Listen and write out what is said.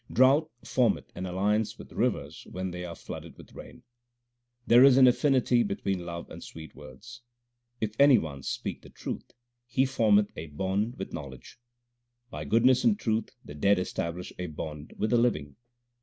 Drought formeth an alliance with rivers when they are flooded with rain. There is an affinity between love and sweet words. If any one speak the truth, he formeth a bond with know ledge. By goodness and truth the dead establish a bond with the living.